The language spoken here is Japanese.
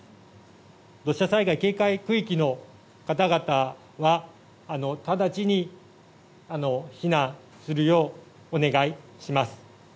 土砂災害警戒区域の方々は直ちに避難するようお願いします。